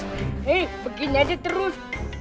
hei begini aja terus